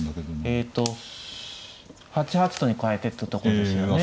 えっと８八とにかえてったとこですよね。